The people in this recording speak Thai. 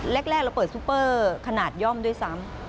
แรกเราเปิดซูเปอร์ขนาดย่อมด้วยซ้ำ